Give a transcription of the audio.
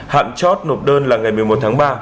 hạn chót nộp đơn là ngày một mươi một tháng ba